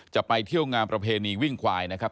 จะไปเที่ยวงานประเพณีวิ่งควายนะครับ